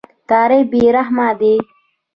تاریخ بې رحمه دی.